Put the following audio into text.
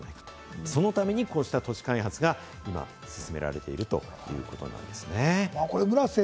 そのためにこうした都市開発が進められているということなんですね。